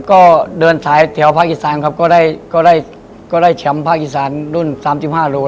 ก็เดินสายแถวภาคอีสานครับก็ได้ก็ได้แชมป์ภาคอีสานรุ่น๓๕โล